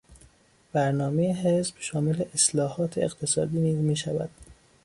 برنامهی حزب شامل اصلاحات اقتصادی نیز میشود.